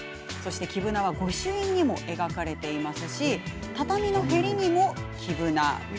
黄ぶなは御朱印にも描かれてますし畳のへりにも黄ぶな。